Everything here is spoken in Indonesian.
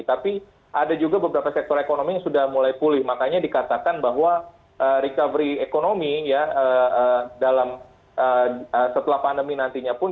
tapi ada juga beberapa sektor ekonomi yang sudah mulai pulih makanya dikatakan bahwa recovery ekonomi ya dalam setelah pandemi nantinya pulih